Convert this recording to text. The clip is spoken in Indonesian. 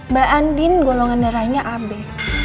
mbak andin golongan darahnya abe